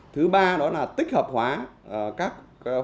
thứ ba đó là tích hợp hóa các doanh nghiệp